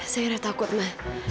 zaira takut ma